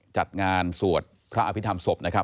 จัดงานสวดพระอภิษฐรรมศพนะครับ